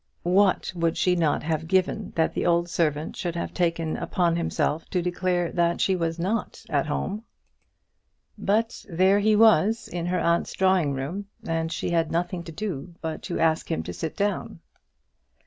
What would she not have given that the old servant should have taken upon himself to declare that she was not at home. But there he was in her aunt's drawing room, and she had nothing to do but to ask him to sit down.